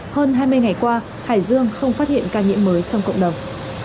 hơn hai mươi ngày qua hải dương không phát hiện ca nhiễm mới trong cộng đồng